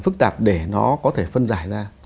phức tạp để nó có thể phân giải ra